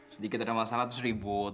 sedikit ada masalah terus ribut